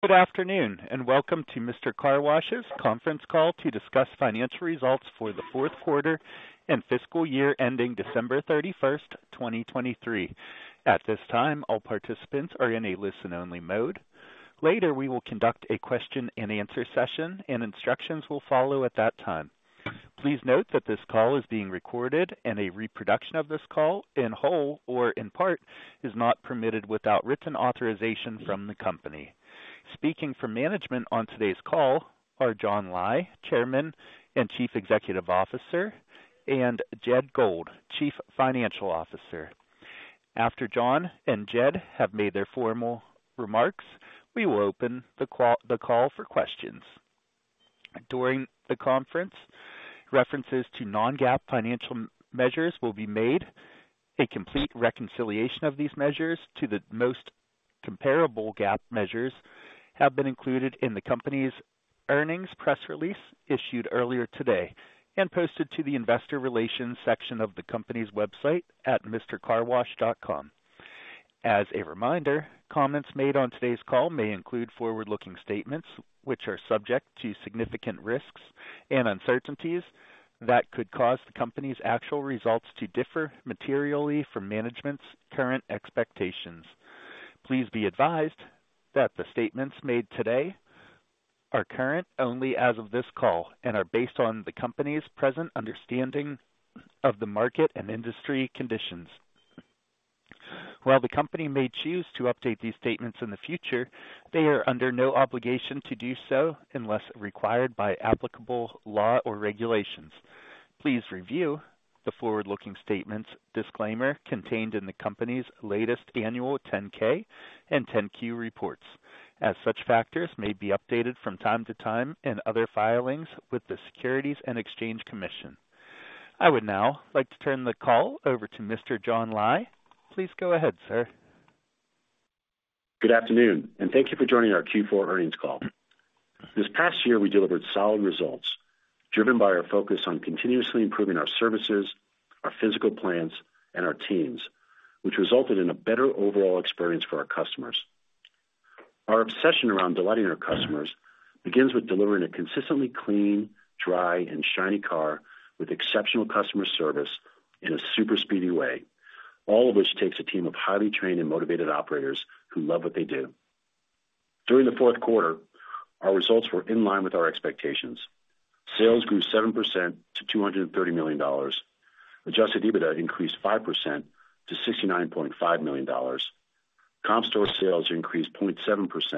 Good afternoon and welcome to Mister Car Wash's conference call to discuss financial results for the fourth quarter and fiscal year ending December 31st, 2023. At this time, all participants are in a listen-only mode. Later, we will conduct a question-and-answer session, and instructions will follow at that time. Please note that this call is being recorded, and a reproduction of this call, in whole or in part, is not permitted without written authorization from the company. Speaking from management on today's call are John Lai, Chairman and Chief Executive Officer, and Jed Gold, Chief Financial Officer. After John and Jed have made their formal remarks, we will open the call for questions. During the conference, references to non-GAAP financial measures will be made. A complete reconciliation of these measures to the most comparable GAAP measures have been included in the company's earnings press release issued earlier today and posted to the investor relations section of the company's website at mrcarwash.com. As a reminder, comments made on today's call may include forward-looking statements which are subject to significant risks and uncertainties that could cause the company's actual results to differ materially from management's current expectations. Please be advised that the statements made today are current only as of this call and are based on the company's present understanding of the market and industry conditions. While the company may choose to update these statements in the future, they are under no obligation to do so unless required by applicable law or regulations. Please review the forward-looking statements disclaimer contained in the company's latest annual 10-K and 10-Q reports, as such factors may be updated from time to time in other filings with the Securities and Exchange Commission. I would now like to turn the call over to Mr. John Lai. Please go ahead, sir. Good afternoon, and thank you for joining our Q4 earnings call. This past year, we delivered solid results driven by our focus on continuously improving our services, our physical plants, and our teams, which resulted in a better overall experience for our customers. Our obsession around delighting our customers begins with delivering a consistently clean, dry, and shiny car with exceptional customer service in a super speedy way, all of which takes a team of highly trained and motivated operators who love what they do. During the fourth quarter, our results were in line with our expectations. Sales grew 7% to $230 million. Adjusted EBITDA increased 5% to $69.5 million. Comp store sales increased 0.7%,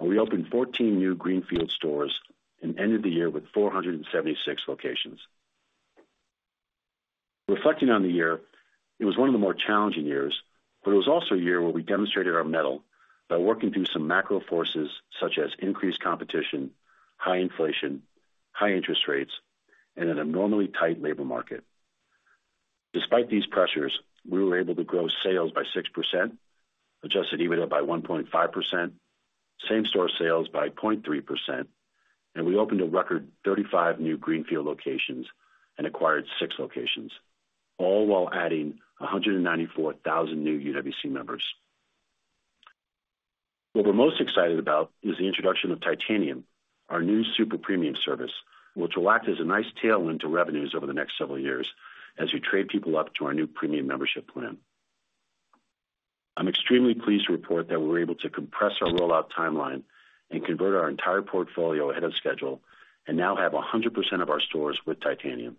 and we opened 14 new greenfield stores and ended the year with 476 locations. Reflecting on the year, it was one of the more challenging years, but it was also a year where we demonstrated our mettle by working through some macro forces such as increased competition, high inflation, high interest rates, and an abnormally tight labor market. Despite these pressures, we were able to grow sales by 6%, Adjusted EBITDA by 1.5%, same store sales by 0.3%, and we opened a record 35 new greenfield locations and acquired 6 locations, all while adding 194,000 new UWC members. What we're most excited about is the introduction of Titanium, our new super premium service, which will act as a nice tailwind to revenues over the next several years as we trade people up to our new premium membership plan. I'm extremely pleased to report that we were able to compress our rollout timeline and convert our entire portfolio ahead of schedule and now have 100% of our stores with Titanium.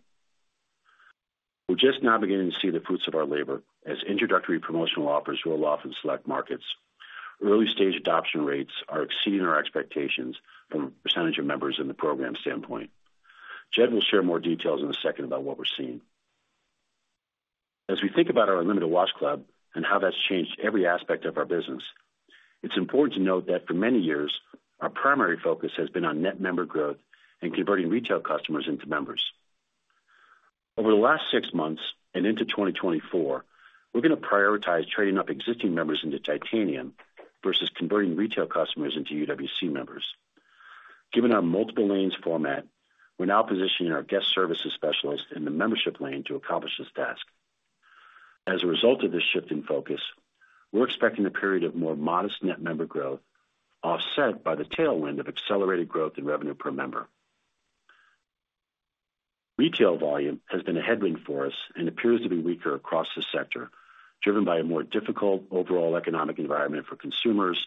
We're just now beginning to see the fruits of our labor as introductory promotional offers roll off in select markets. Early-stage adoption rates are exceeding our expectations from a percentage of members in the program standpoint. Jed will share more details in a second about what we're seeing. As we think about our Unlimited Wash Club and how that's changed every aspect of our business, it's important to note that for many years, our primary focus has been on net member growth and converting retail customers into members. Over the last six months and into 2024, we're going to prioritize trading up existing members into Titanium versus converting retail customers into UWC members. Given our multiple lanes format, we're now positioning our guest services specialist in the membership lane to accomplish this task. As a result of this shift in focus, we're expecting a period of more modest net member growth offset by the tailwind of accelerated growth in revenue per member. Retail volume has been a headwind for us and appears to be weaker across the sector, driven by a more difficult overall economic environment for consumers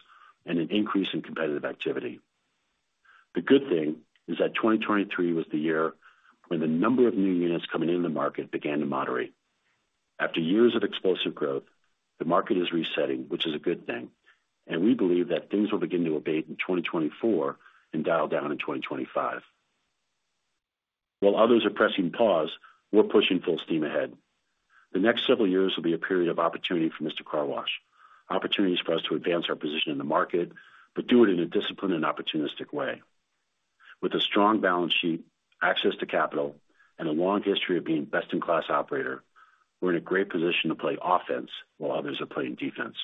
and an increase in competitive activity. The good thing is that 2023 was the year when the number of new units coming into the market began to moderate. After years of explosive growth, the market is resetting, which is a good thing, and we believe that things will begin to abate in 2024 and dial down in 2025. While others are pressing pause, we're pushing full steam ahead. The next several years will be a period of opportunity for Mister Car Wash, opportunities for us to advance our position in the market but do it in a disciplined and opportunistic way. With a strong balance sheet, access to capital, and a long history of being best-in-class operator, we're in a great position to play offense while others are playing defense.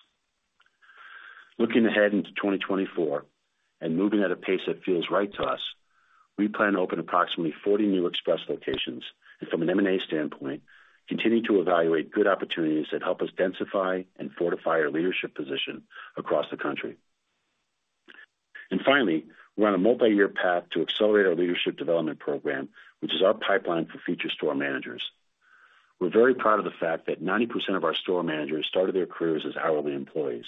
Looking ahead into 2024 and moving at a pace that feels right to us, we plan to open approximately 40 new express locations and, from an M&A standpoint, continue to evaluate good opportunities that help us densify and fortify our leadership position across the country. And finally, we're on a multi-year path to accelerate our leadership development program, which is our pipeline for future store managers. We're very proud of the fact that 90% of our store managers started their careers as hourly employees,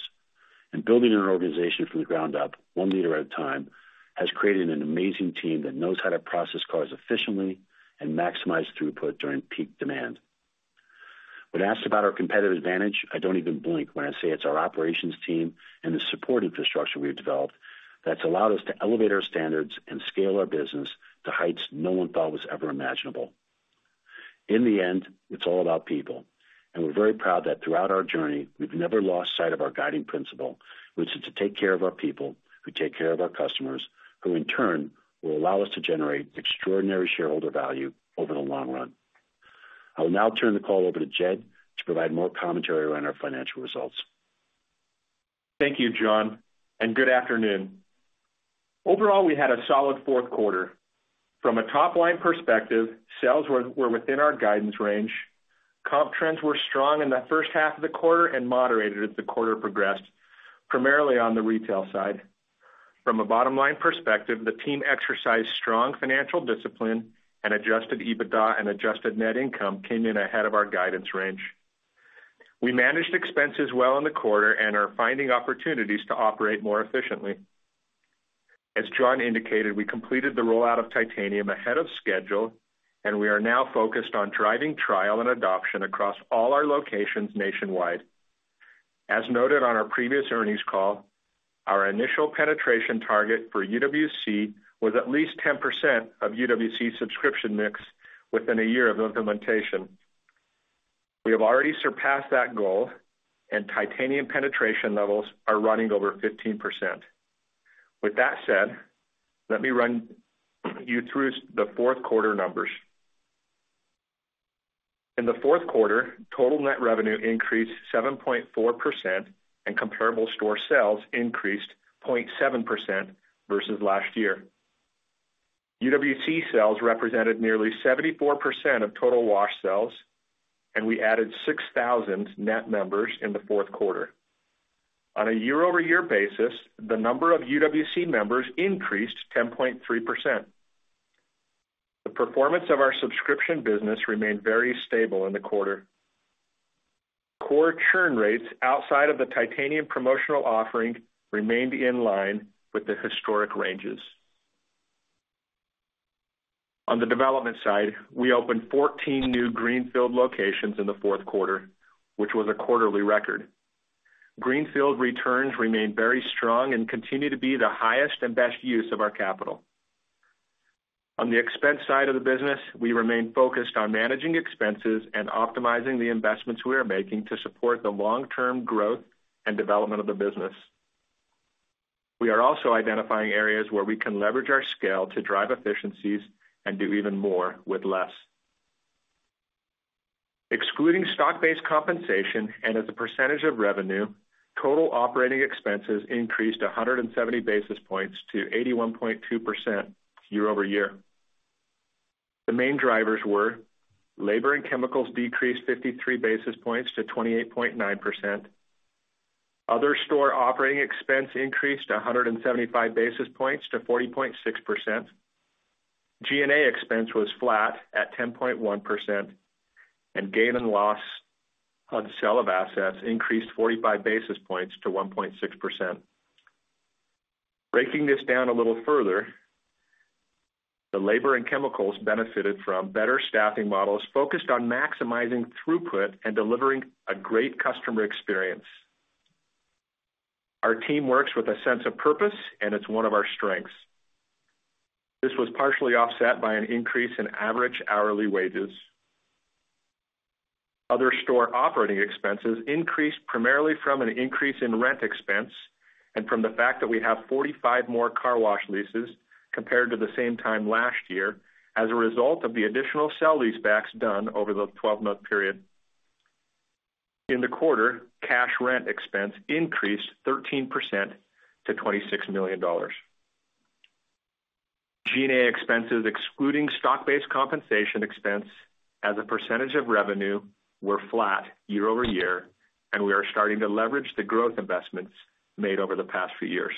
and building an organization from the ground up, one leader at a time, has created an amazing team that knows how to process cars efficiently and maximize throughput during peak demand. When asked about our competitive advantage, I don't even blink when I say it's our operations team and the support infrastructure we've developed that's allowed us to elevate our standards and scale our business to heights no one thought was ever imaginable. In the end, it's all about people, and we're very proud that throughout our journey, we've never lost sight of our guiding principle, which is to take care of our people, who take care of our customers, who in turn will allow us to generate extraordinary shareholder value over the long run. I will now turn the call over to Jed to provide more commentary around our financial results. Thank you, John, and good afternoon. Overall, we had a solid fourth quarter. From a top-line perspective, sales were within our guidance range. Comp trends were strong in the first half of the quarter and moderated as the quarter progressed, primarily on the retail side. From a bottom-line perspective, the team exercised strong financial discipline, and Adjusted EBITDA and Adjusted Net Income came in ahead of our guidance range. We managed expenses well in the quarter and are finding opportunities to operate more efficiently. As John indicated, we completed the rollout of Titanium ahead of schedule, and we are now focused on driving trial and adoption across all our locations nationwide. As noted on our previous earnings call, our initial penetration target for UWC was at least 10% of UWC subscription mix within a year of implementation. We have already surpassed that goal, and Titanium penetration levels are running over 15%. With that said, let me run you through the fourth quarter numbers. In the fourth quarter, total net revenue increased 7.4%, and comparable store sales increased 0.7% versus last year. UWC sales represented nearly 74% of total wash sales, and we added 6,000 net members in the fourth quarter. On a year-over-year basis, the number of UWC members increased 10.3%. The performance of our subscription business remained very stable in the quarter. Core churn rates outside of the Titanium promotional offering remained in line with the historic ranges. On the development side, we opened 14 new greenfield locations in the fourth quarter, which was a quarterly record. greenfield returns remained very strong and continue to be the highest and best use of our capital. On the expense side of the business, we remain focused on managing expenses and optimizing the investments we are making to support the long-term growth and development of the business. We are also identifying areas where we can leverage our scale to drive efficiencies and do even more with less. Excluding stock-based compensation and as a percentage of revenue, total operating expenses increased 170 basis points to 81.2% year-over-year. The main drivers were labor and chemicals decreased 53 basis points to 28.9%. Other store operating expense increased 175 basis points to 40.6%. G&A expense was flat at 10.1%. Gain and loss on sale of assets increased 45 basis points to 1.6%. Breaking this down a little further, the labor and chemicals benefited from better staffing models focused on maximizing throughput and delivering a great customer experience. Our team works with a sense of purpose, and it's one of our strengths. This was partially offset by an increase in average hourly wages. Other store operating expenses increased primarily from an increase in rent expense and from the fact that we have 45 more car wash leases compared to the same time last year as a result of the additional sale-leasebacks done over the 12-month period. In the quarter, cash rent expense increased 13% to $26 million. G&A expenses, excluding stock-based compensation expense as a percentage of revenue, were flat year-over-year, and we are starting to leverage the growth investments made over the past few years.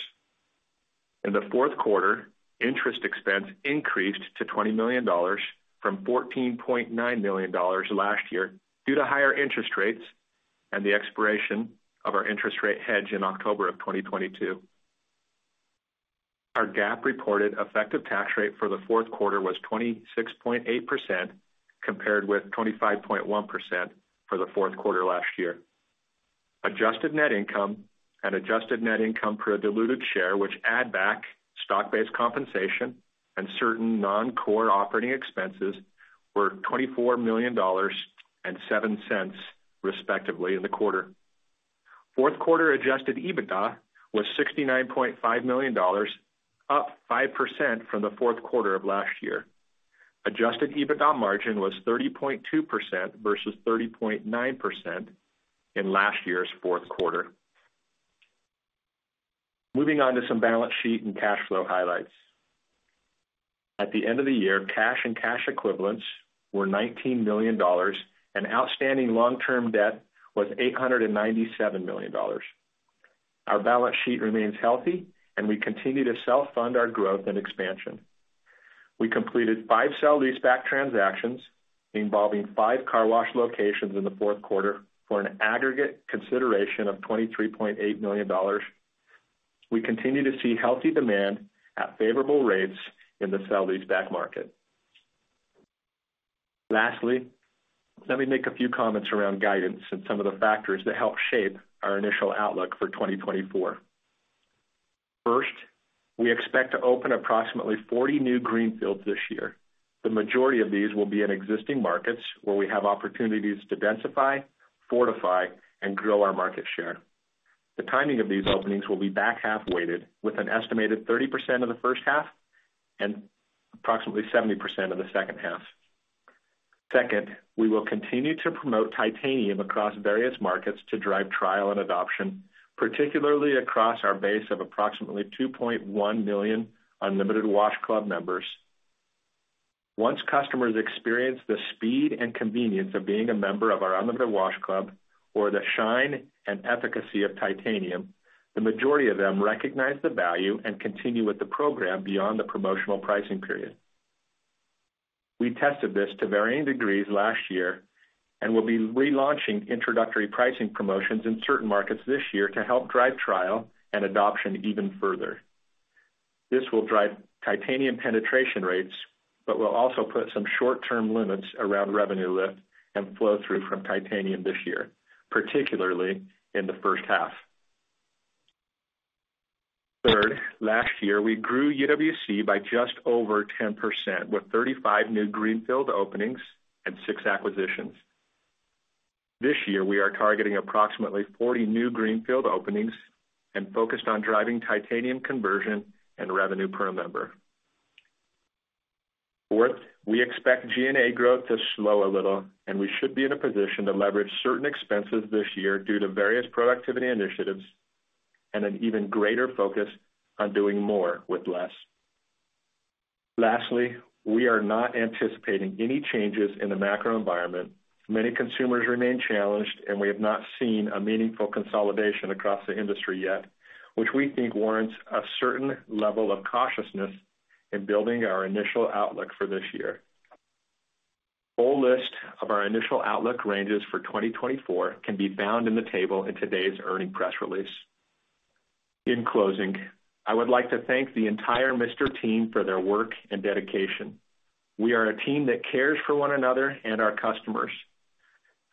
In the fourth quarter, interest expense increased to $20 million from $14.9 million last year due to higher interest rates and the expiration of our interest rate hedge in October of 2022. Our GAAP reported effective tax rate for the fourth quarter was 26.8% compared with 25.1% for the fourth quarter last year. Adjusted net income and adjusted net income per a diluted share, which add back stock-based compensation and certain non-core operating expenses, were $24 million and 0.07, respectively, in the quarter. Fourth quarter Adjusted EBITDA was $69.5 million, up 5% from the fourth quarter of last year. Adjusted EBITDA margin was 30.2% versus 30.9% in last year's fourth quarter. Moving on to some balance sheet and cash flow highlights. At the end of the year, cash and cash equivalents were $19 million, and outstanding long-term debt was $897 million. Our balance sheet remains healthy, and we continue to self-fund our growth and expansion. We completed five sale-leaseback transactions involving five car wash locations in the fourth quarter for an aggregate consideration of $23.8 million. We continue to see healthy demand at favorable rates in the sale Leaseback market. Lastly, let me make a few comments around guidance and some of the factors that help shape our initial outlook for 2024. First, we expect to open approximately 40 new greenfields this year. The majority of these will be in existing markets where we have opportunities to densify, fortify, and grow our market share. The timing of these openings will be back-half weighted with an estimated 30% of the first half and approximately 70% of the second half. Second, we will continue to promote Titanium across various markets to drive trial and adoption, particularly across our base of approximately 2.1 million Unlimited Wash Club members. Once customers experience the speed and convenience of being a member of our Unlimited Wash Club or the shine and efficacy of Titanium, the majority of them recognize the value and continue with the program beyond the promotional pricing period. We tested this to varying degrees last year and will be relaunching introductory pricing promotions in certain markets this year to help drive trial and adoption even further. This will drive Titanium penetration rates but will also put some short-term limits around revenue lift and flow through from Titanium this year, particularly in the first half. Third, last year, we grew UWC by just over 10% with 35 new greenfield openings and six acquisitions. This year, we are targeting approximately 40 new greenfield openings and focused on driving Titanium conversion and revenue per member. Fourth, we expect G&A growth to slow a little, and we should be in a position to leverage certain expenses this year due to various productivity initiatives and an even greater focus on doing more with less. Lastly, we are not anticipating any changes in the macro environment. Many consumers remain challenged, and we have not seen a meaningful consolidation across the industry yet, which we think warrants a certain level of cautiousness in building our initial outlook for this year. The full list of our initial outlook ranges for 2024 can be found in the table in today's earnings press release. In closing, I would like to thank the entire Mister team for their work and dedication. We are a team that cares for one another and our customers.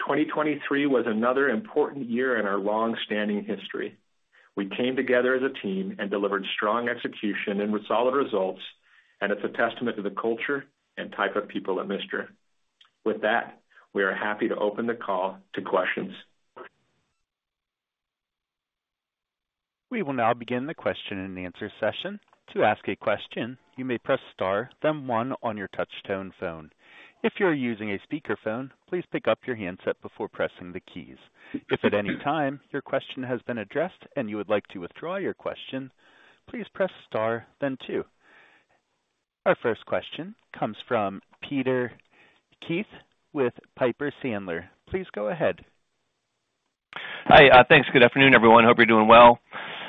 2023 was another important year in our long-standing history. We came together as a team and delivered strong execution and solid results, and it's a testament to the culture and type of people at Mister. With that, we are happy to open the call to questions. We will now begin the question and answer session. To ask a question, you may press star, then one on your touch-tone phone. If you're using a speakerphone, please pick up your handset before pressing the keys. If at any time your question has been addressed and you would like to withdraw your question, please press star, then two. Our first question comes from Peter Keith with Piper Sandler. Please go ahead. Hi. Thanks. Good afternoon, everyone. Hope you're doing well.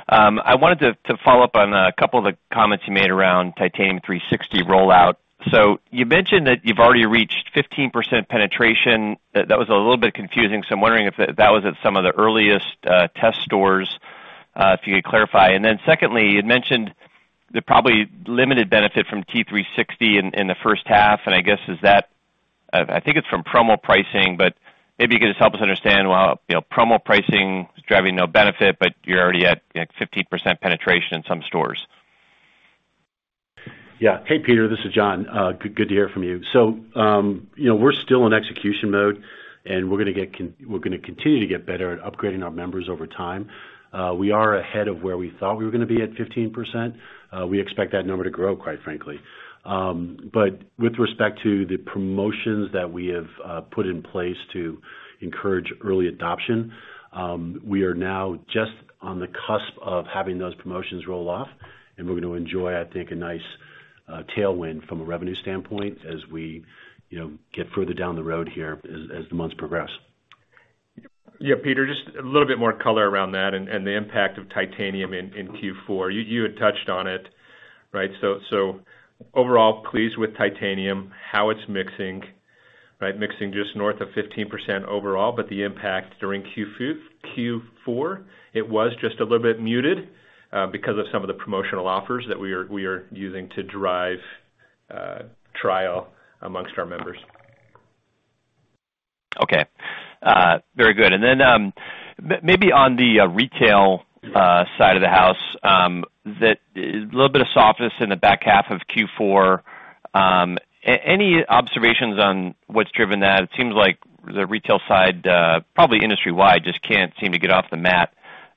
I wanted to follow up on a couple of the comments you made around Titanium 360 rollout. So you mentioned that you've already reached 15% penetration. That was a little bit confusing, so I'm wondering if that was at some of the earliest test stores, if you could clarify. And then secondly, you'd mentioned the probably limited benefit from T360 in the first half, and I guess is that I think it's from promo pricing, but maybe you could just help us understand, well, promo pricing is driving no benefit, but you're already at 15% penetration in some stores. Yeah. Hey, Peter. This is John. Good to hear from you. So we're still in execution mode, and we're going to continue to get better at upgrading our members over time. We are ahead of where we thought we were going to be at 15%. We expect that number to grow, quite frankly. But with respect to the promotions that we have put in place to encourage early adoption, we are now just on the cusp of having those promotions roll off, and we're going to enjoy, I think, a nice tailwind from a revenue standpoint as we get further down the road here as the months progress. Yeah, Peter, just a little bit more color around that and the impact of Titanium in Q4. You had touched on it, right? So overall, pleased with Titanium, how it's mixing, right? Mixing just north of 15% overall, but the impact during Q4, it was just a little bit muted because of some of the promotional offers that we are using to drive trial amongst our members. Okay. Very good. And then maybe on the retail side of the house, a little bit of softness in the back half of Q4. Any observations on what's driven that? It seems like the retail side, probably industry-wide, just can't seem to get off the mat.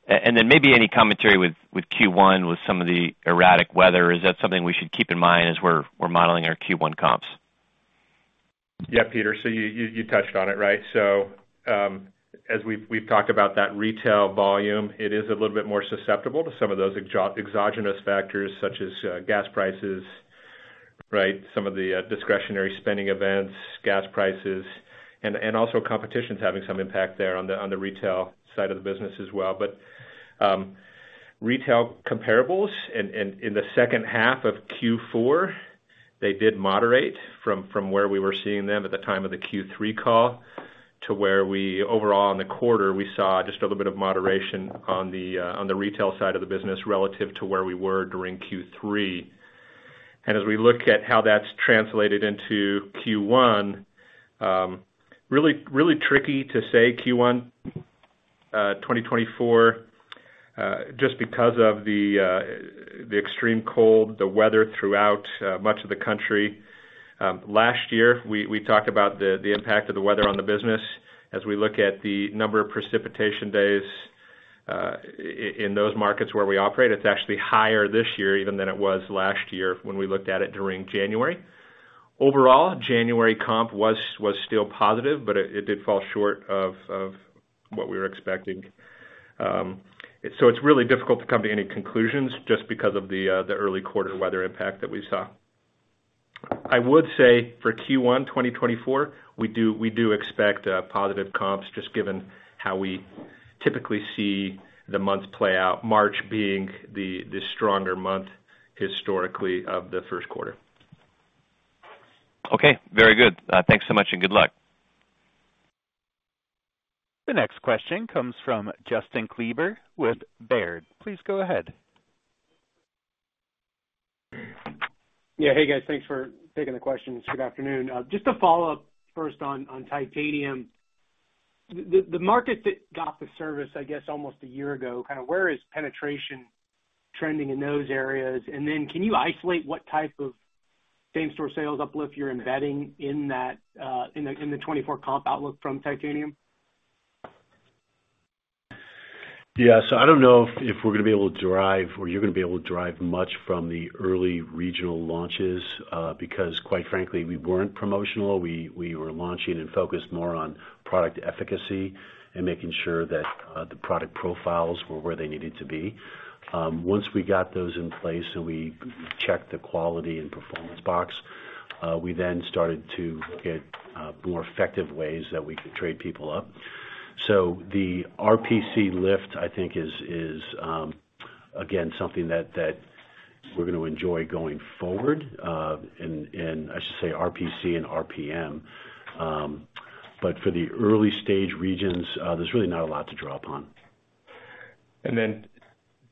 And then maybe any commentary with Q1 with some of the erratic weather? Is that something we should keep in mind as we're modeling our Q1 comps? Yeah, Peter. So you touched on it, right? So as we've talked about that retail volume, it is a little bit more susceptible to some of those exogenous factors such as gas prices, right? Some of the discretionary spending events, gas prices, and also competition's having some impact there on the retail side of the business as well. But retail comparables in the second half of Q4, they did moderate from where we were seeing them at the time of the Q3 call to where we overall, in the quarter, we saw just a little bit of moderation on the retail side of the business relative to where we were during Q3. And as we look at how that's translated into Q1, really tricky to say Q1 2024 just because of the extreme cold, the weather throughout much of the country. Last year, we talked about the impact of the weather on the business. As we look at the number of precipitation days in those markets where we operate, it's actually higher this year even than it was last year when we looked at it during January. Overall, January comp was still positive, but it did fall short of what we were expecting. So it's really difficult to come to any conclusions just because of the early quarter weather impact that we saw. I would say for Q1 2024, we do expect positive comps just given how we typically see the months play out, March being the stronger month historically of the first quarter. Okay. Very good. Thanks so much and good luck. The next question comes from Justin Kleber with Baird. Please go ahead. Yeah. Hey, guys. Thanks for taking the questions. Good afternoon. Just a follow-up first on Titanium. The market that got the service, I guess, almost a year ago, kind of where is penetration trending in those areas? And then can you isolate what type of same-store sales uplift you're embedding in the 2024 comp outlook from Titanium? Yeah. So I don't know if we're going to be able to drive or you're going to be able to drive much from the early regional launches because, quite frankly, we weren't promotional. We were launching and focused more on product efficacy and making sure that the product profiles were where they needed to be. Once we got those in place and we checked the quality and performance box, we then started to look at more effective ways that we could trade people up. So the RPC lift, I think, is, again, something that we're going to enjoy going forward, and I should say RPC and RPM. But for the early-stage regions, there's really not a lot to draw upon. Then,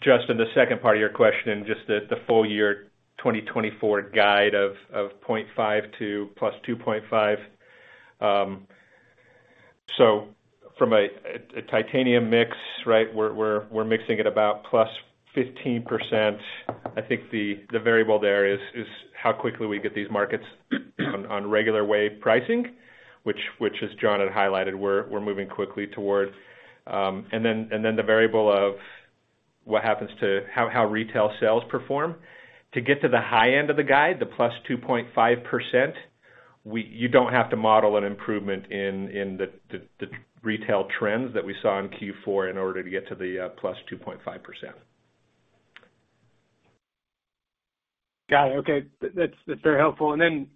Justin, the second part of your question, just the full-year 2024 guide of 0.5% to +2.5%. So from a Titanium mix, right, we're mixing it about +15%. I think the variable there is how quickly we get these markets on regular-way pricing, which, as John had highlighted, we're moving quickly toward. And then the variable of how retail sales perform. To get to the high end of the guide, the +2.5%, you don't have to model an improvement in the retail trends that we saw in Q4 in order to get to the +2.5%. Got it. Okay. That's very helpful. And then,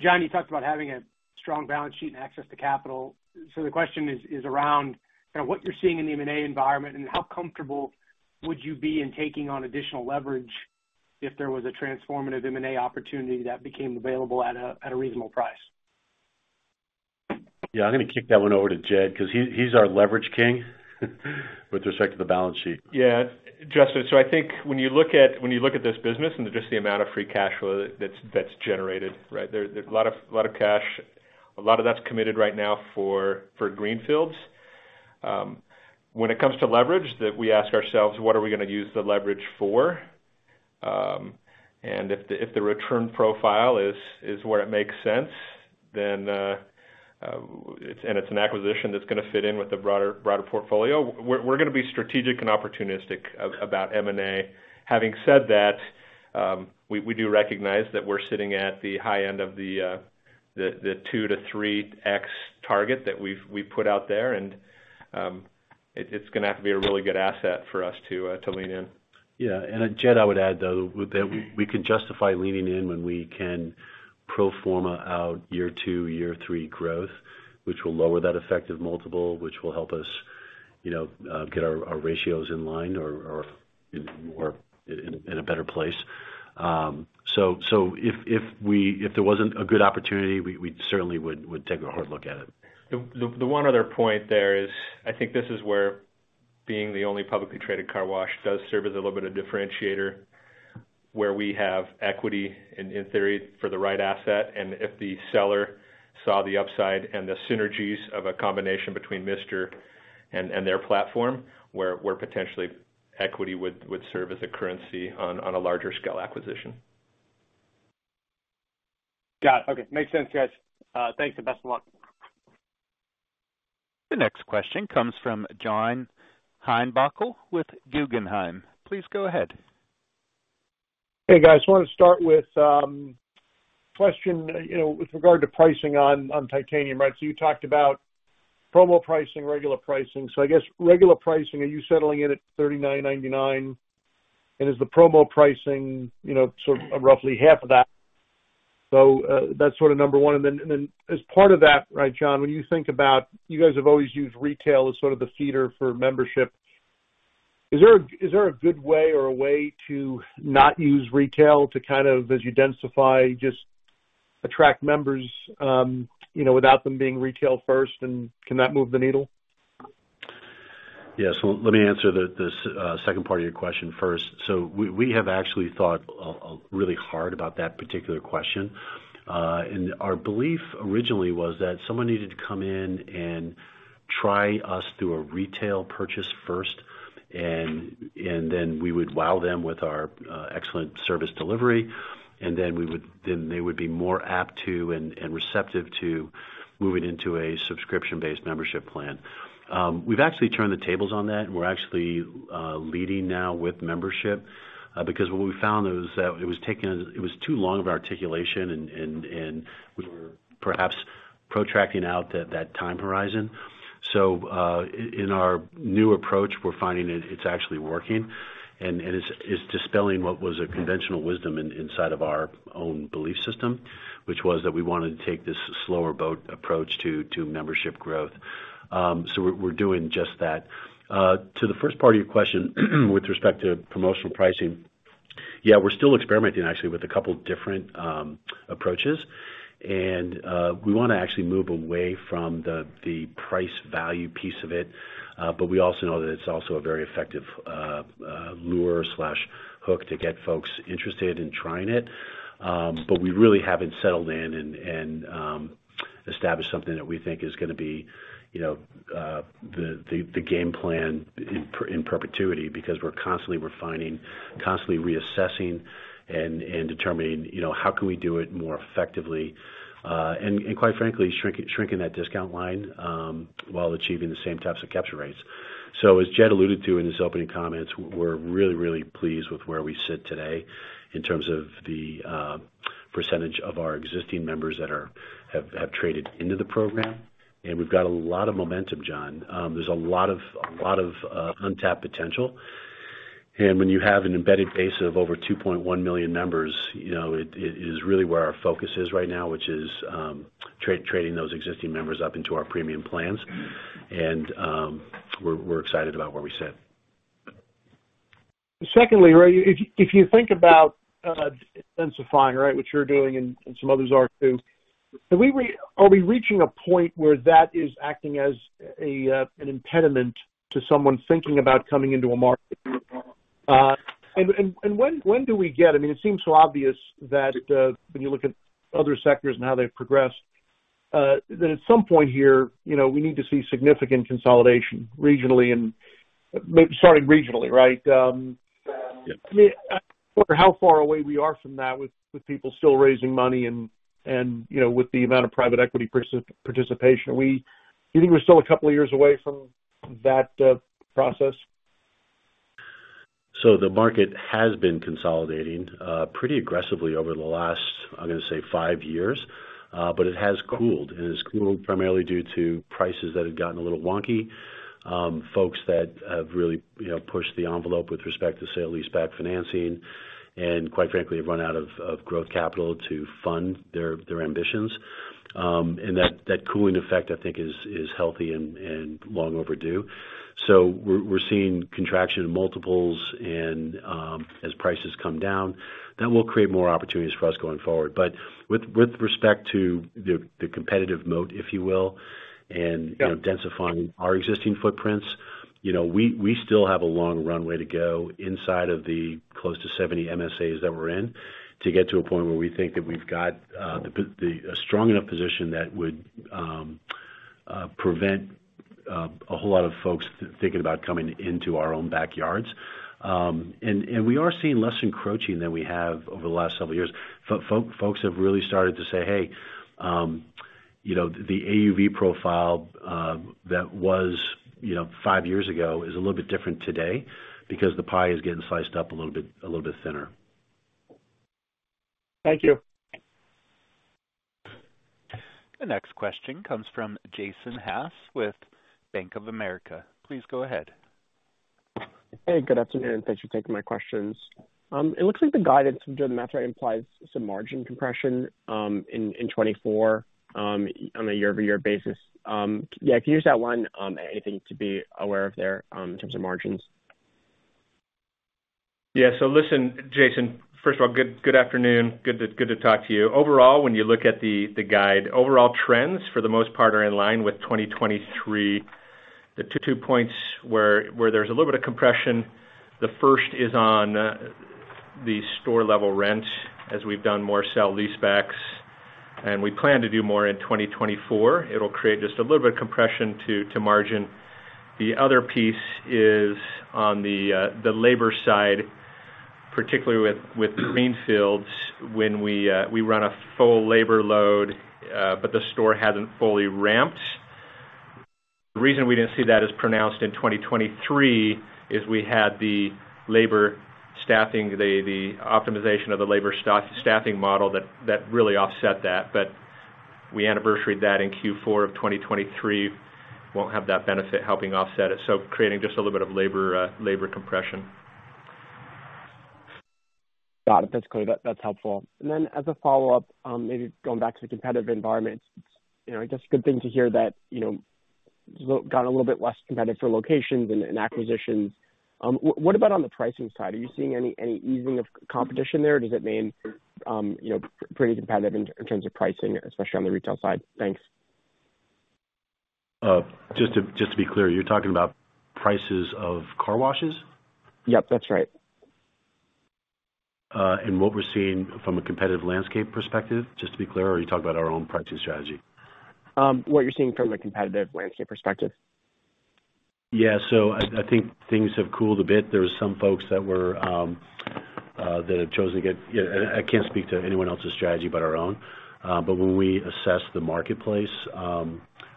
John, you talked about having a strong balance sheet and access to capital. So the question is around kind of what you're seeing in the M&A environment and how comfortable would you be in taking on additional leverage if there was a transformative M&A opportunity that became available at a reasonable price? Yeah. I'm going to kick that one over to Jed because he's our leverage king with respect to the balance sheet. Yeah. Justin, so I think when you look at this business and just the amount of free cash flow that's generated, right, there's a lot of cash. A lot of that's committed right now for greenfields. When it comes to leverage, we ask ourselves, "What are we going to use the leverage for?" And if the return profile is where it makes sense, and it's an acquisition that's going to fit in with the broader portfolio, we're going to be strategic and opportunistic about M&A. Having said that, we do recognize that we're sitting at the high end of the 2-3x target that we've put out there, and it's going to have to be a really good asset for us to lean in. Yeah. And Jed, I would add, though, that we can justify leaning in when we can pro forma out year 2, year 3 growth, which will lower that effective multiple, which will help us get our ratios in line or in a better place. So if there wasn't a good opportunity, we certainly would take a hard look at it. The one other point there is I think this is where being the only publicly traded car wash does serve as a little bit of differentiator where we have equity, in theory, for the right asset. If the seller saw the upside and the synergies of a combination between Mister and their platform, where potentially equity would serve as a currency on a larger-scale acquisition. Got it. Okay. Makes sense, guys. Thanks and best of luck. The next question comes from John Heinbockel with Guggenheim. Please go ahead. Hey, guys. I want to start with a question with regard to pricing on Titanium, right? So you talked about promo pricing, regular pricing. So I guess regular pricing, are you settling in at $39.99? And is the promo pricing sort of roughly half of that? So that's sort of number one. And then as part of that, right, John, when you think about you guys have always used retail as sort of the feeder for membership. Is there a good way or a way to not use retail to kind of, as you densify, just attract members without them being retail-first, and can that move the needle? Yeah. So let me answer the second part of your question first. So we have actually thought really hard about that particular question. Our belief originally was that someone needed to come in and try us through a retail purchase first, and then we would wow them with our excellent service delivery, and then they would be more apt to and receptive to moving into a subscription-based membership plan. We've actually turned the tables on that, and we're actually leading now with membership because what we found was that it was taking too long of an articulation, and we were perhaps protracting out that time horizon. So in our new approach, we're finding it's actually working, and it's dispelling what was a conventional wisdom inside of our own belief system, which was that we wanted to take this slower boat approach to membership growth. So we're doing just that. To the first part of your question with respect to promotional pricing, yeah, we're still experimenting, actually, with a couple of different approaches. And we want to actually move away from the price-value piece of it, but we also know that it's also a very effective lure hook to get folks interested in trying it. But we really haven't settled in and established something that we think is going to be the game plan in perpetuity because we're constantly refining, constantly reassessing, and determining how can we do it more effectively and, quite frankly, shrinking that discount line while achieving the same types of capture rates. So as Jed alluded to in his opening comments, we're really, really pleased with where we sit today in terms of the percentage of our existing members that have traded into the program. We've got a lot of momentum, John. There's a lot of untapped potential. And when you have an embedded base of over 2.1 million members, it is really where our focus is right now, which is trading those existing members up into our premium plans. And we're excited about where we sit. Secondly, right, if you think about densifying, right, what you're doing and some others are too, are we reaching a point where that is acting as an impediment to someone thinking about coming into a market? And when do we get, I mean, it seems so obvious that when you look at other sectors and how they've progressed, that at some point here, we need to see significant consolidation regionally and starting regionally, right? I mean, I wonder how far away we are from that with people still raising money and with the amount of private equity participation. Do you think we're still a couple of years away from that process? So the market has been consolidating pretty aggressively over the last, I'm going to say, five years, but it has cooled. And it's cooled primarily due to prices that had gotten a little wonky, folks that have really pushed the envelope with respect to sale-leaseback financing, and, quite frankly, have run out of growth capital to fund their ambitions. And that cooling effect, I think, is healthy and long overdue. So we're seeing contraction in multiples, and as prices come down, that will create more opportunities for us going forward. But with respect to the competitive moat, if you will, and densifying our existing footprints, we still have a long runway to go inside of the close to 70 MSAs that we're in to get to a point where we think that we've got a strong enough position that would prevent a whole lot of folks thinking about coming into our own backyards. And we are seeing less encroaching than we have over the last several years. Folks have really started to say, "Hey, the AUV profile that was five years ago is a little bit different today because the pie is getting sliced up a little bit thinner. Thank you. The next question comes from Jason Haas with Bank of America. Please go ahead. Hey. Good afternoon. Thanks for taking my questions. It looks like the guidance from John Heimbuchel implies some margin compression in 2024 on a year-over-year basis. Yeah. Can you just outline anything to be aware of there in terms of margins? Yeah. So listen, Jason, first of all, good afternoon. Good to talk to you. Overall, when you look at the guide, overall trends for the most part are in line with 2023. The two points where there's a little bit of compression. The first is on the store-level rent as we've done more sale-leasebacks, and we plan to do more in 2024. It'll create just a little bit of compression to margin. The other piece is on the labor side, particularly with greenfields, when we run a full labor load but the store hasn't fully ramped. The reason we didn't see that as pronounced in 2023 is we had the optimization of the labor staffing model that really offset that. But we anniversaried that in Q4 of 2023. We won't have that benefit helping offset it, so creating just a little bit of labor compression. Got it. That's clear. That's helpful. And then as a follow-up, maybe going back to the competitive environment, I guess good thing to hear that it's gotten a little bit less competitive for locations and acquisitions. What about on the pricing side? Are you seeing any easing of competition there? Does it mean pretty competitive in terms of pricing, especially on the retail side? Thanks. Just to be clear, you're talking about prices of car washes? Yep. That's right. What we're seeing from a competitive landscape perspective, just to be clear, or are you talking about our own pricing strategy? What you're seeing from a competitive landscape perspective? Yeah. So I think things have cooled a bit. There were some folks that have chosen to get. I can't speak to anyone else's strategy but our own. But when we assess the marketplace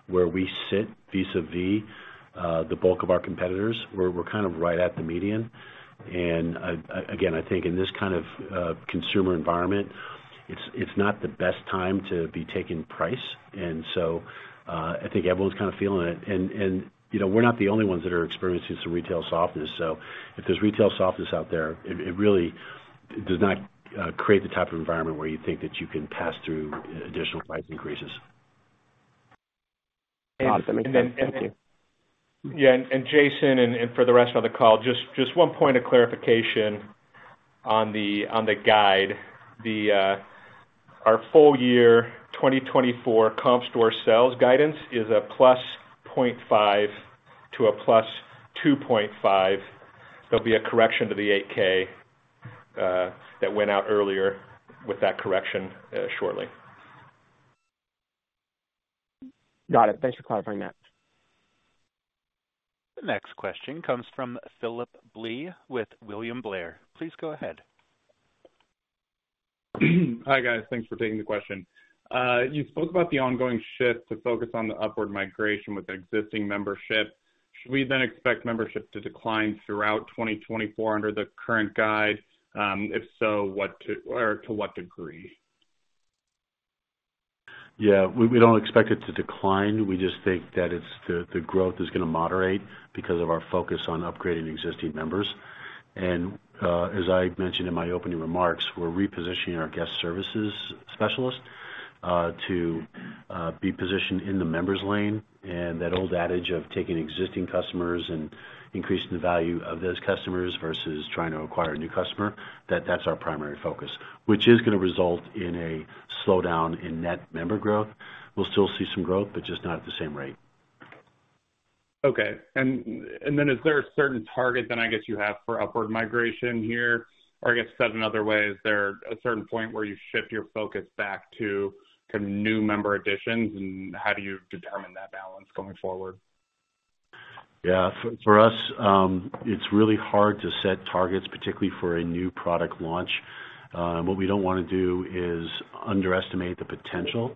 where we sit vis-à-vis the bulk of our competitors, we're kind of right at the median. And again, I think in this kind of consumer environment, it's not the best time to be taking price. And so I think everyone's kind of feeling it. And we're not the only ones that are experiencing some retail softness. So if there's retail softness out there, it really does not create the type of environment where you think that you can pass through additional price increases. Got it. That makes sense. Thank you. Yeah, Jason, for the rest of the call, just one point of clarification on the guide. Our full-year 2024 comp store sales guidance is +0.5% to +2.5%. There'll be a correction to the 8-K that went out earlier with that correction shortly. Got it. Thanks for clarifying that. The next question comes from Phillip Blee with William Blair. Please go ahead. Hi, guys. Thanks for taking the question. You spoke about the ongoing shift to focus on the upward migration with existing membership. Should we then expect membership to decline throughout 2024 under the current guide? If so, to what degree? Yeah. We don't expect it to decline. We just think that the growth is going to moderate because of our focus on upgrading existing members. As I mentioned in my opening remarks, we're repositioning our guest services specialist to be positioned in the members' lane. That old adage of taking existing customers and increasing the value of those customers versus trying to acquire a new customer, that's our primary focus, which is going to result in a slowdown in net member growth. We'll still see some growth, but just not at the same rate. Okay. And then is there a certain target that I guess you have for upward migration here? Or I guess said another way, is there a certain point where you shift your focus back to kind of new member additions? And how do you determine that balance going forward? Yeah. For us, it's really hard to set targets, particularly for a new product launch. What we don't want to do is underestimate the potential.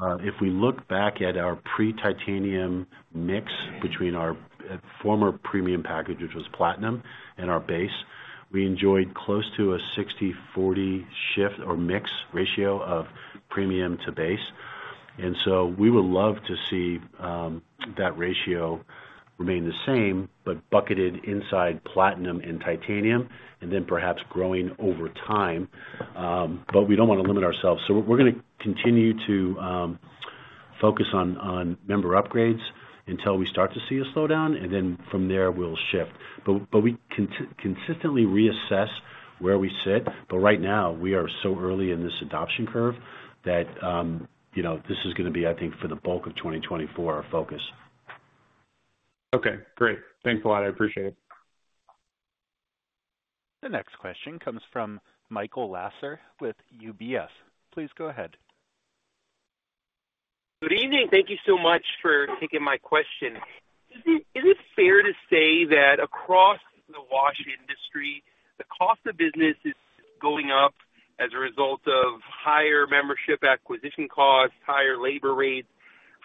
If we look back at our pre-Titanium mix between our former premium package, which was Platinum, and our base, we enjoyed close to a 60/40 mix ratio of premium to base. And so we would love to see that ratio remain the same but bucketed inside Platinum and Titanium and then perhaps growing over time. But we don't want to limit ourselves. So we're going to continue to focus on member upgrades until we start to see a slowdown. And then from there, we'll shift. But we consistently reassess where we sit. But right now, we are so early in this adoption curve that this is going to be, I think, for the bulk of 2024, our focus. Okay. Great. Thanks a lot. I appreciate it. The next question comes from Michael Lasser with UBS. Please go ahead. Good evening. Thank you so much for taking my question. Is it fair to say that across the wash industry, the cost of business is going up as a result of higher membership acquisition costs, higher labor rates,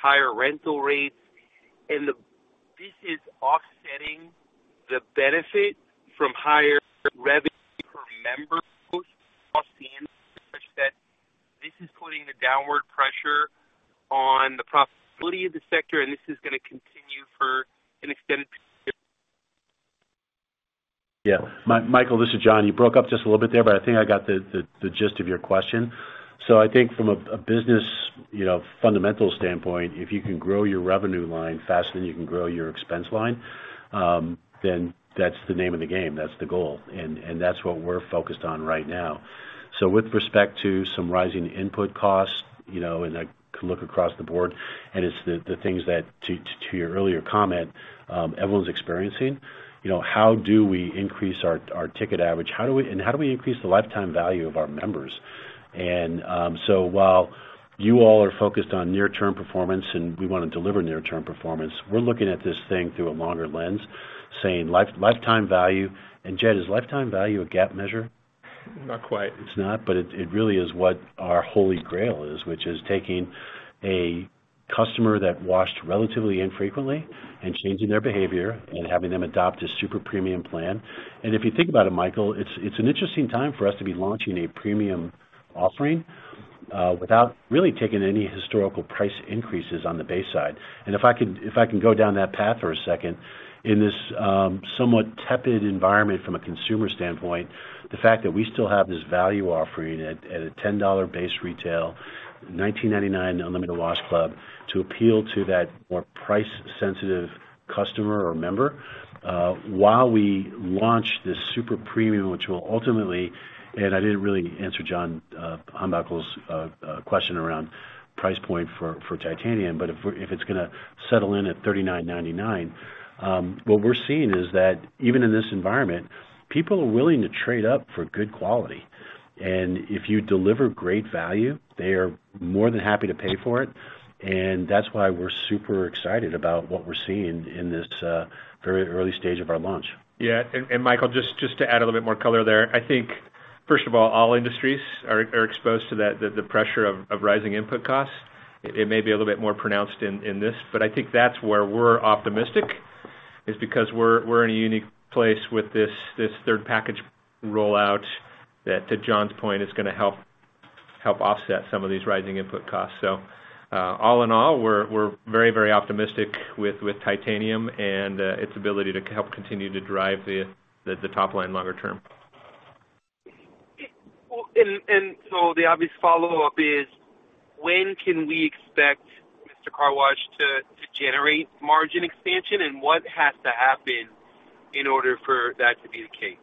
higher rental rates? And this is offsetting the benefit from higher revenue per member costs in such that this is putting the downward pressure on the profitability of the sector, and this is going to continue for an extended period. Yeah. Michael, this is John. You broke up just a little bit there, but I think I got the gist of your question. So I think from a business fundamental standpoint, if you can grow your revenue line faster than you can grow your expense line, then that's the name of the game. That's the goal. And that's what we're focused on right now. So with respect to some rising input costs and a look across the board, and it's the things that, to your earlier comment, everyone's experiencing, how do we increase our ticket average? And how do we increase the lifetime value of our members? And so while you all are focused on near-term performance and we want to deliver near-term performance, we're looking at this thing through a longer lens, saying lifetime value. And Jed, is lifetime value a GAAP measure? Not quite. It's not, but it really is what our holy grail is, which is taking a customer that washed relatively infrequently and changing their behavior and having them adopt a super premium plan. And if you think about it, Michael, it's an interesting time for us to be launching a premium offering without really taking any historical price increases on the base side. If I can go down that path for a second, in this somewhat tepid environment from a consumer standpoint, the fact that we still have this value offering at a $10 base retail, $19.99 Unlimited Wash Club, to appeal to that more price-sensitive customer or member while we launch this super premium, which will ultimately and I didn't really answer John Heimbuchel's question around price point for Titanium, but if it's going to settle in at $39.99, what we're seeing is that even in this environment, people are willing to trade up for good quality. And if you deliver great value, they are more than happy to pay for it. And that's why we're super excited about what we're seeing in this very early stage of our launch. Yeah. And Michael, just to add a little bit more color there, I think, first of all, all industries are exposed to the pressure of rising input costs. It may be a little bit more pronounced in this, but I think that's where we're optimistic is because we're in a unique place with this third package rollout that, to John's point, is going to help offset some of these rising input costs. So all in all, we're very, very optimistic with Titanium and its ability to help continue to drive the top line longer term. And so the obvious follow-up is, when can we expect Mister Car Wash to generate margin expansion, and what has to happen in order for that to be the case?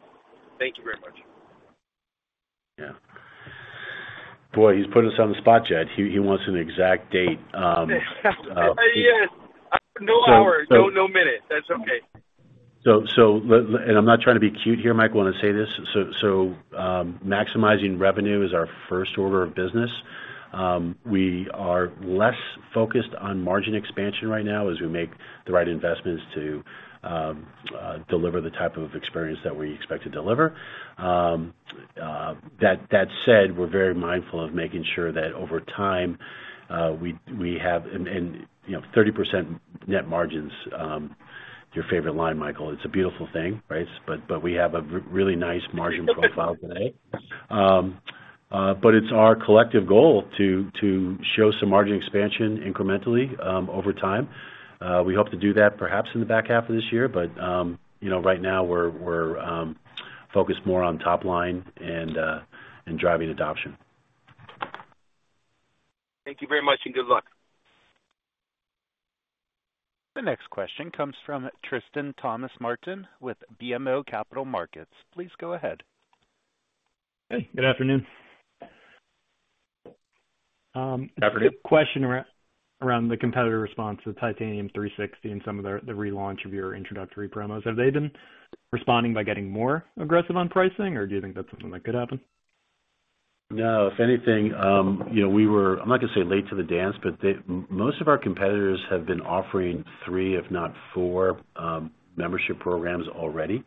Thank you very much. Yeah. Boy, he's putting us on the spot, Jed. He wants an exact date. Yes. No hour. No minute. That's okay. And I'm not trying to be cute here, Michael, when I say this. So maximizing revenue is our first order of business. We are less focused on margin expansion right now as we make the right investments to deliver the type of experience that we expect to deliver. That said, we're very mindful of making sure that over time, we have 30% net margins. Your favorite line, Michael. It's a beautiful thing, right? But we have a really nice margin profile today. But it's our collective goal to show some margin expansion incrementally over time. We hope to do that perhaps in the back half of this year, but right now, we're focused more on top line and driving adoption. Thank you very much and good luck. The next question comes from Tristan Thomas-Martin with BMO Capital Markets. Please go ahead. Hey. Good afternoon. Question around the competitor response to Titanium 360 and some of the relaunch of your introductory promos. Have they been responding by getting more aggressive on pricing, or do you think that's something that could happen? No. If anything, we were. I'm not going to say late to the dance, but most of our competitors have been offering 3, if not 4, membership programs already.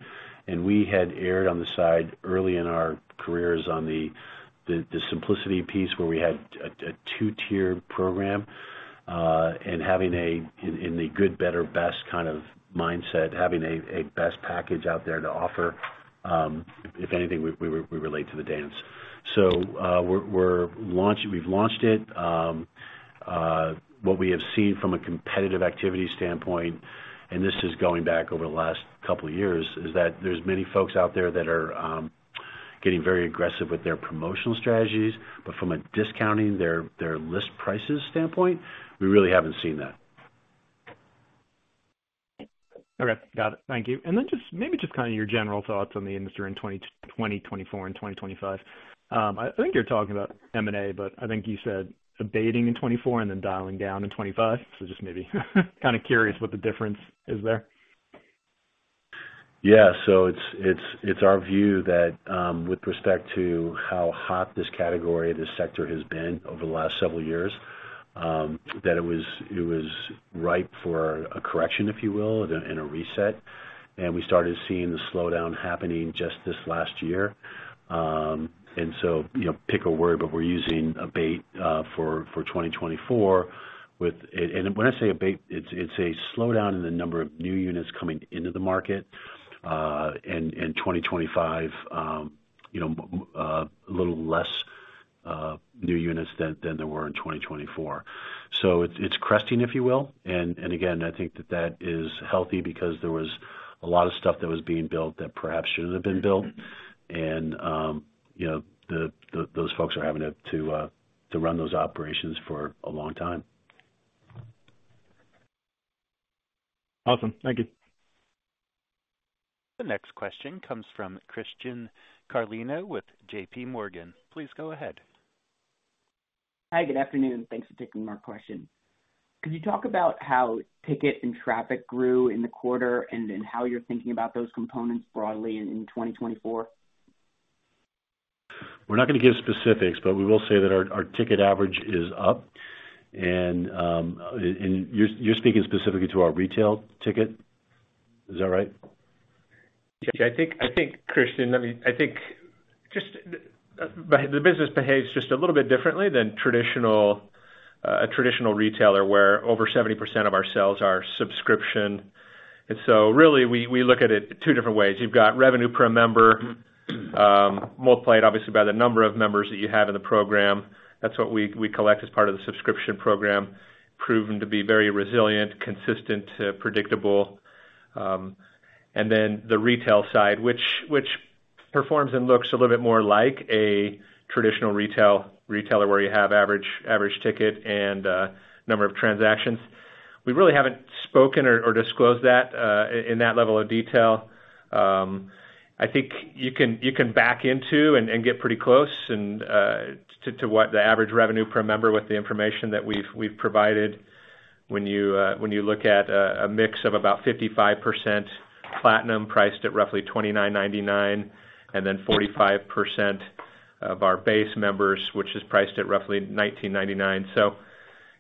And we had erred on the side early in our careers on the simplicity piece where we had a 2-tier program and having an in the good, better, best kind of mindset, having a best package out there to offer, if anything, we relate to the dance. So we've launched it. What we have seen from a competitive activity standpoint, and this is going back over the last couple of years, is that there's many folks out there that are getting very aggressive with their promotional strategies, but from a discounting their list prices standpoint, we really haven't seen that. Okay. Got it. Thank you. And then maybe just kind of your general thoughts on the industry in 2024 and 2025. I think you're talking about M&A, but I think you said abating in 2024 and then dialing down in 2025. So just maybe kind of curious what the difference is there? Yeah. So it's our view that with respect to how hot this category, this sector, has been over the last several years, that it was ripe for a correction, if you will, and a reset. And we started seeing the slowdown happening just this last year. And so pick a word, but we're using abate for 2024. And when I say abate, it's a slowdown in the number of new units coming into the market in 2025, a little less new units than there were in 2024. So it's cresting, if you will. And again, I think that that is healthy because there was a lot of stuff that was being built that perhaps shouldn't have been built. And those folks are having to run those operations for a long time. Awesome. Thank you. The next question comes from Christian Carlino with JP Morgan. Please go ahead. Hi. Good afternoon. Thanks for taking my question. Could you talk about how ticket and traffic grew in the quarter and how you're thinking about those components broadly in 2024? We're not going to give specifics, but we will say that our ticket average is up. You're speaking specifically to our retail ticket? Is that right? Yeah. I think, Christian, let me, I think the business behaves just a little bit differently than a traditional retailer where over 70% of our sales are subscription. And so really, we look at it two different ways. You've got revenue per member, multiplied, obviously, by the number of members that you have in the program. That's what we collect as part of the subscription program, proven to be very resilient, consistent, predictable. And then the retail side, which performs and looks a little bit more like a traditional retail where you have average ticket and number of transactions. We really haven't spoken or disclosed that in that level of detail. I think you can back into and get pretty close to what the average revenue per member with the information that we've provided when you look at a mix of about 55% Platinum priced at roughly $29.99 and then 45% of our Base members, which is priced at roughly $19.99. So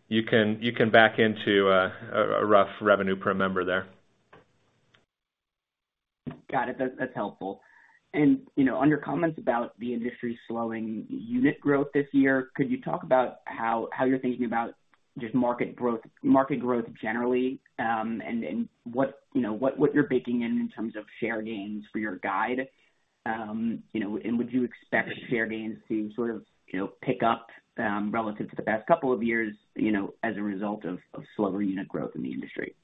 you can back into a rough revenue per member there. Got it. That's helpful. And under comments about the industry slowing unit growth this year, could you talk about how you're thinking about just market growth generally and what you're baking in in terms of share gains for your guide? And would you expect share gains to sort of pick up relative to the past couple of years as a result of slower unit growth in the industry?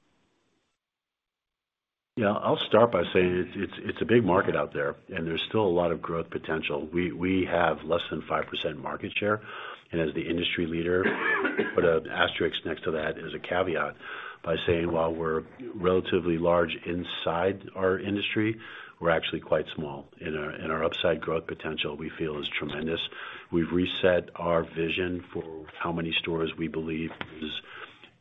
Yeah. I'll start by saying it's a big market out there, and there's still a lot of growth potential. We have less than 5% market share. And as the industry leader, I put an asterisk next to that as a caveat by saying, while we're relatively large inside our industry, we're actually quite small. And our upside growth potential, we feel, is tremendous. We've reset our vision for how many stores we believe is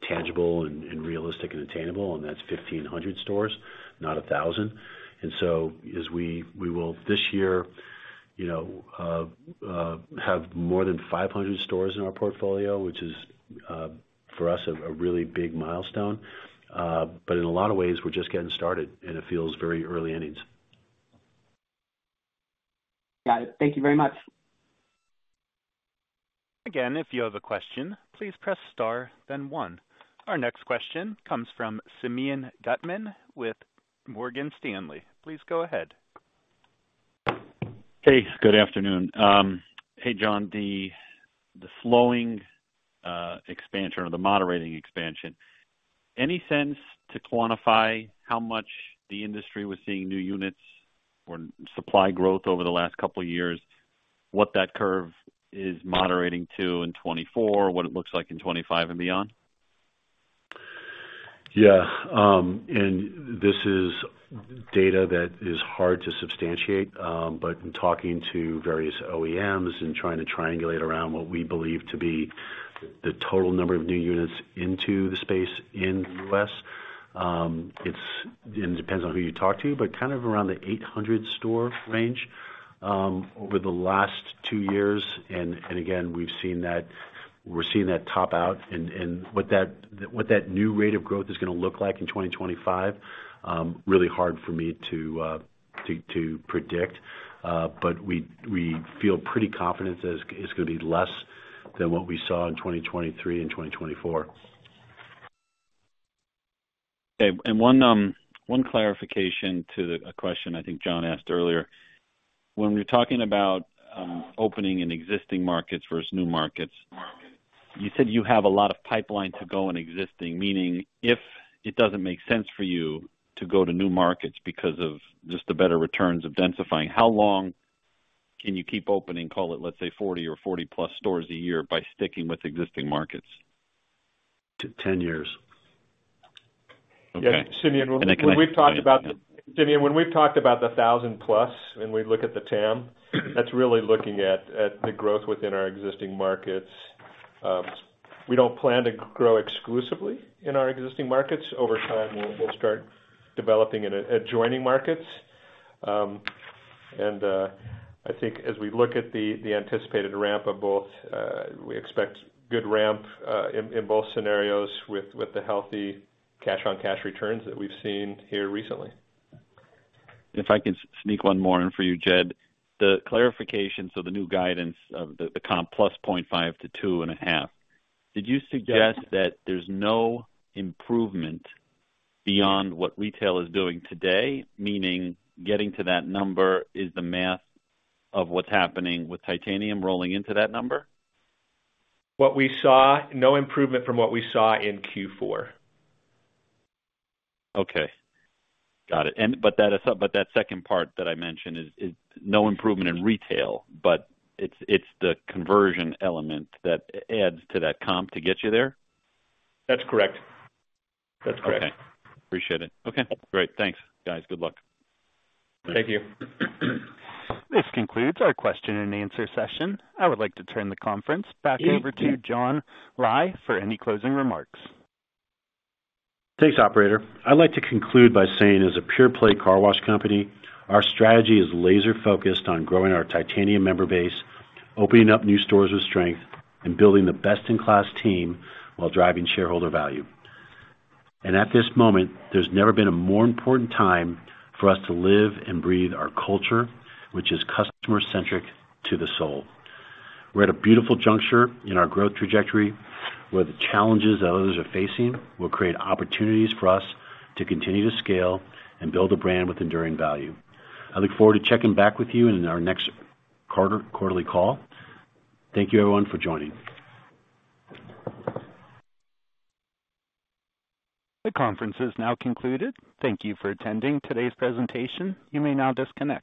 tangible and realistic and attainable, and that's 1,500 stores, not 1,000. And so we will, this year, have more than 500 stores in our portfolio, which is, for us, a really big milestone. But in a lot of ways, we're just getting started, and it feels very early innings. Got it. Thank you very much. Again, if you have a question, please press star, then one. Our next question comes from Simeon Gutman with Morgan Stanley. Please go ahead. Hey. Good afternoon. Hey, John. The slowing expansion or the moderating expansion, any sense to quantify how much the industry was seeing new units or supply growth over the last couple of years, what that curve is moderating to in 2024, what it looks like in 2025 and beyond? Yeah. And this is data that is hard to substantiate. But in talking to various OEMs and trying to triangulate around what we believe to be the total number of new units into the space in the U.S., it depends on who you talk to, but kind of around the 800-store range over the last two years. And again, we've seen that we're seeing that top out. And what that new rate of growth is going to look like in 2025, really hard for me to predict. But we feel pretty confident it's going to be less than what we saw in 2023 and 2024. One clarification to a question I think John asked earlier. When you're talking about opening in existing markets versus new markets, you said you have a lot of pipeline to go in existing, meaning if it doesn't make sense for you to go to new markets because of just the better returns of densifying, how long can you keep opening, call it, let's say, 40 or 40+ stores a year by sticking with existing markets? To 10 years. Okay. And again. When we've talked about the Simeon, when we've talked about the 1,000+ and we look at the TAM, that's really looking at the growth within our existing markets. We don't plan to grow exclusively in our existing markets. Over time, we'll start developing and adjoining markets. I think as we look at the anticipated ramp of both, we expect good ramp in both scenarios with the healthy cash-on-cash returns that we've seen here recently. If I can sneak one more in for you, Jed: the clarification, so the new guidance of the comp plus 0.5 to 2.5, did you suggest that there's no improvement beyond what retail is doing today, meaning getting to that number is the math of what's happening with Titanium rolling into that number? What we saw, no improvement from what we saw in Q4. Okay. Got it. But that second part that I mentioned is no improvement in retail, but it's the conversion element that adds to that comp to get you there? That's correct. That's correct. Okay. Appreciate it. Okay. Great. Thanks, guys. Good luck. Thank you. This concludes our question-and-answer session. I would like to turn the conference back over to John Lai for any closing remarks. Thanks, operator. I'd like to conclude by saying, as a pure-play car wash company, our strategy is laser-focused on growing our Titanium member base, opening up new stores with strength, and building the best-in-class team while driving shareholder value. At this moment, there's never been a more important time for us to live and breathe our culture, which is customer-centric to the soul. We're at a beautiful juncture in our growth trajectory where the challenges that others are facing will create opportunities for us to continue to scale and build a brand with enduring value. I look forward to checking back with you in our next quarterly call. Thank you, everyone, for joining. The conference is now concluded. Thank you for attending today's presentation. You may now disconnect.